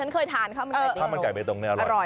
ไก่เบตงอร่อย